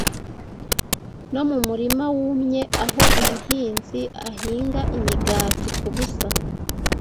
No mumurima wumye aho umuhinzi ahinga imigati kubusa